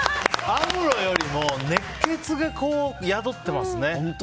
アムロよりも熱血が宿ってますね。